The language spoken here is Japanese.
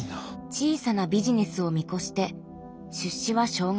小さなビジネスを見越して出資は少額。